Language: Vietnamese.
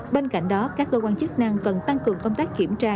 bên cạnh đó các cơ quan chức năng cần tăng cường công tác kiểm tra